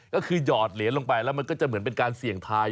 ก็คือหยอดเหรียญลงไปแล้วมันก็จะเหมือนเป็นการเสี่ยงทาย